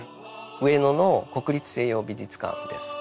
上野の国立西洋美術館です。